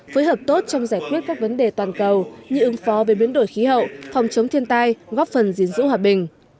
phối hợp tốt trong giải quyết các vấn đề toàn cầu như ứng phó về biến đổi khí hậu phòng chống thiên tai góp phần gìn giữ hòa bình